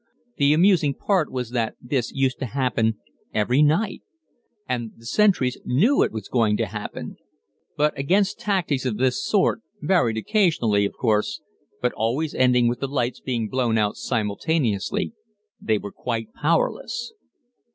The amusing part was that this used to happen every night, and the sentries knew it was going to happen; but against tactics of this sort, varied occasionally, of course, but always ending with the lights being blown out simultaneously, they were quite powerless!